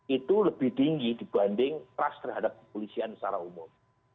itu lebih tinggi dibanding trust terhadap kepolisian secara umum